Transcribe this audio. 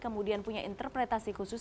kemudian punya interpretasi khusus